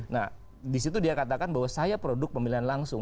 nah disitu dia katakan bahwa saya produk pemilihan langsung